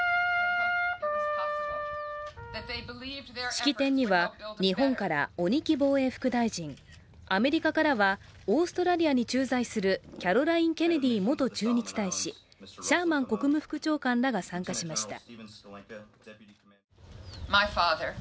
式典には日本から鬼木防衛副大臣、アメリカからはオーストラリアに駐在するキャロライン・ケネディ前駐日大使シャーマン国務副長官らが参加しました。